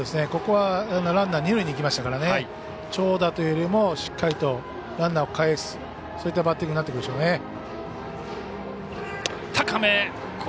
ここはランナー二塁にいきましたから長打というよりもしっかりとランナーをかえすそういったバッティングになってきますね。